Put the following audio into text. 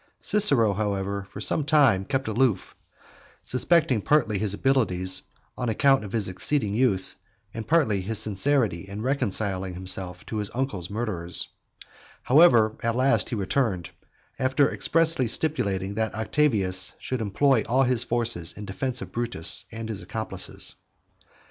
Cicero, however, for some time kept aloof, suspecting partly his abilities, on account of his exceeding youth, and partly his sincerity in reconciling himself to his uncle's murderers; however, at last he returned, after expressly stipulating that Octavius should employ all his forces in defence of Brutus and his accomplices.